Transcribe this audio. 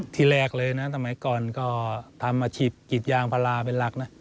ที่แรกเลยนะสมัยก่อนก็ทำอาชีพกรีดยางพาราเป็นหลักนะ